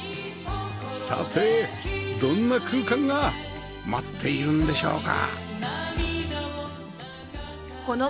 さてどんな空間が待っているんでしょうか？